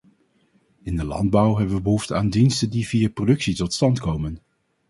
In de landbouw hebben we behoefte aan diensten die via productie tot stand komen.